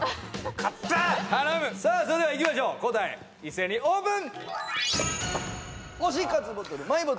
さあそれではいきましょう答え一斉にオープン！